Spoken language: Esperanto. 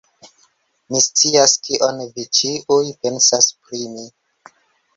Mi scias, kion vi ĉiuj pensas pri mi!